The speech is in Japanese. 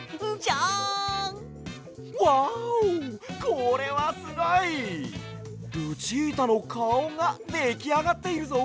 これはすごい！ルチータのかおができあがっているぞ！